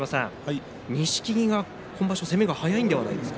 錦木、今場所は攻めが早いのではないですか。